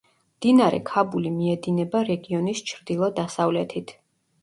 მდინარე ქაბული მიედინება რეგიონის ჩრდილო–დასავლეთით.